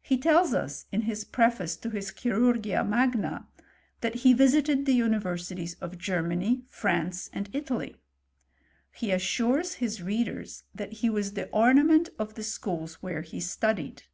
He tells us, in his pre face to his Chirurgia Magna, that he visited the unis^ versities of Germany, France, and Italy. He assures his readers, that he was the ornament of the schools where he studied.